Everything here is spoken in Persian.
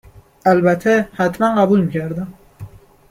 البته حتما قبول میکردم